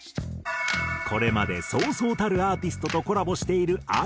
これまでそうそうたるアーティストとコラボしているＡＩ。